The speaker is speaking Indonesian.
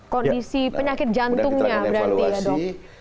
kondisi penyakit jantungnya berarti ya dok